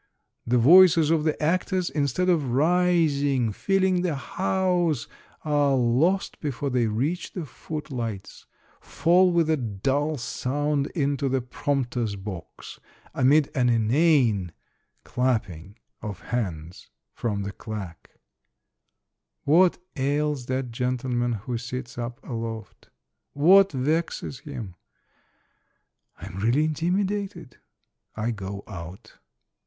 The voices of the actors, instead of rising, filling the house, are lost before they reach the footlights, fall with a dull sound into the prompter's box, amid an inane clap ping of hands from the claque. What ails that gentleman who sits up aloft? What vexes him? I am really intimidated. I go out.